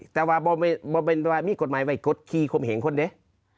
แต่ว่ามีกฏหมายไว้กดคีย์หมีแห่งคนด้วย